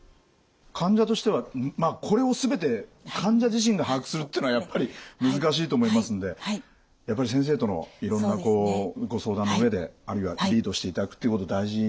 患者としてはこれを全て患者自身が把握するっていうのはやっぱり難しいと思いますんでやっぱり先生とのいろんなご相談の上であるいはリードしていただくっていうこと大事になってきますね。